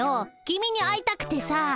君に会いたくてさ。